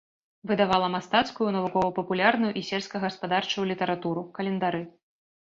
Выдавала мастацкую, навукова-папулярную і сельскагаспадарчую літаратуру, календары.